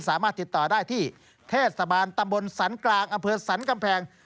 สามารถติดต่อได้ที่เทศบาลตำบลสันกลางอำเภอสรรกำแพง